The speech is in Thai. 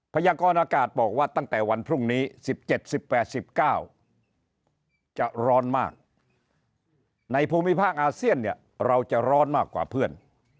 พยากรอากาศบอกว่าตั้งแต่วันพรุ่งนี้๑๗๑๘๑๙จะร้อนมากในภูมิภาคอาเซียนเนี่ยเราจะร้อนมากกว่าเพื่อน